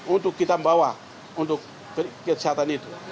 untuk kita membawa untuk kesehatan itu